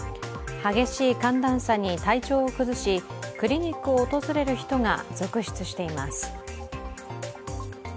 激しい寒暖差に体調を崩し、クリニックを訪れる人が続出しています。